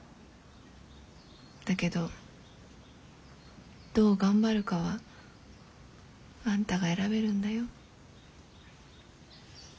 だけどどう頑張るかはあんたが選べるんだよ。